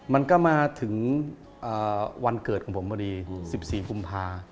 มันก็มาถึงวันเกิดของผมพอดี๑๔กุมภา